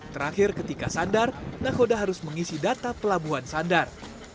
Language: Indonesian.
terakhir ketika sandar nakoda harus mengisi data pelabuhan sandar